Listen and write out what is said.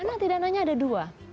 anak tidak nanya ada dua